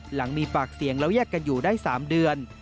หลังมีปากเสียงแล้วแยกกันอยู่ได้๓เดือน